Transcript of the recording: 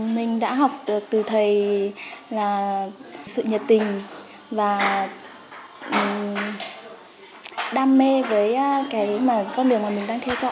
mình đã học từ thầy là sự nhật tình và đam mê với con đường mà mình đang theo chọn